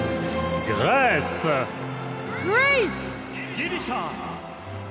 ギリシャ。